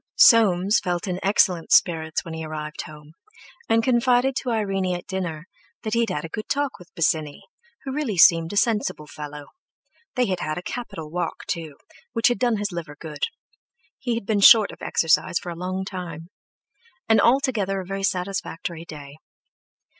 Soames felt in excellent spirits when he arrived home, and confided to Irene at dinner that he had had a good talk with Bosinney, who really seemed a sensible fellow; they had had a capital walk too, which had done his liver good—he had been short of exercise for a long time—and altogether a very satisfactory day.